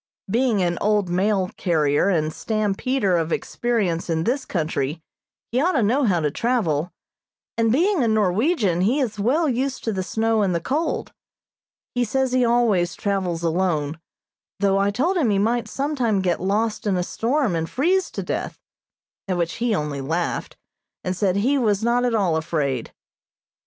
Being an old mail carrier and stampeder of experience in this country, he ought to know how to travel, and, being a Norwegian, he is well used to the snow and the cold. He says he always travels alone, though I told him he might sometime get lost in a storm and freeze to death, at which he only laughed, and said he was not at all afraid.